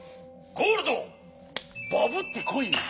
ゴールドバブッてこいよ！